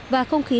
và không khí làng